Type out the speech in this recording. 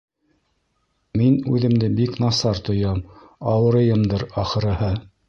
Мин үҙемде бик насар тоям: ауырыйымдыр, ахырыһы